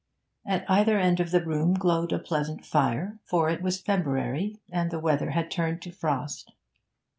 At either end of the room glowed a pleasant fire, for it was February and the weather had turned to frost.